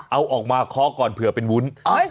เอาออกมาเคาะก่อนเผื่อเป็นวุ้น